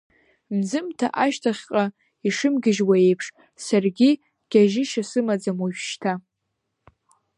Мзымҭа ашьҭахьҟа ишымгьыжьуа еиԥш, саргьы гьажьышьа сымаӡам уажәшьҭа.